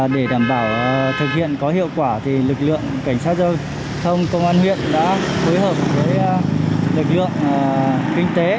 để đảm bảo thực hiện có hiệu quả lực lượng cảnh sát giao thông công an huyện đã phối hợp với lực lượng kinh tế